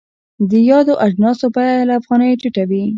د یادو اجناسو بیه له افغانیو ټیټه وي.